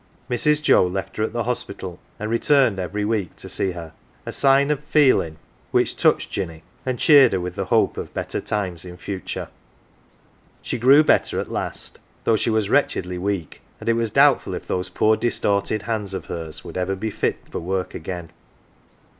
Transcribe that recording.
Mrs. Joe left her at the hospital and returned every week to see her, a sign of " feelin* "' which touched Jinny and cheered her with the hope of better times in future. She grew better at last, though she was wretchedly weak, and it was doubtful if those poor distorted hands of hers would ever be fit for work again.